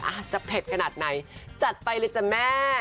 อาจจะเผ็ดขนาดไหนจัดไปเลยจ้ะแม่